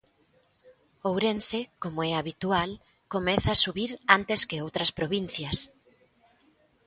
Ourense, como é habitual, comeza a subir antes que outras provincias.